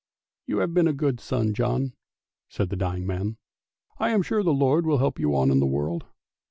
" You have been a good son, John," said the dying man. " I am sure the Lord will help you on in the world!